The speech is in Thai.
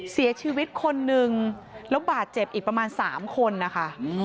เสียชีวิตคนนึงแล้วบาดเจ็บอีกประมาณ๓คนนะคะ